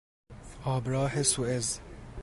آبراه سوئز